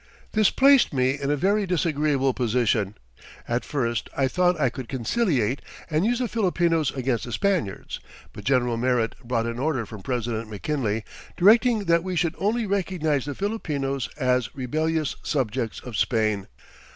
This placed me in a very disagreeable position. At first I thought I could conciliate and use the Filipinos against the Spaniards, but General Merritt brought an order from President McKinley directing that we should only recognize the Filipinos as rebellious subjects of Spain.